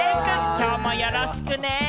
きょうもよろしくね。